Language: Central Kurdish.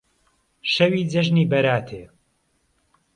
شهوی جهژنی بهراتێ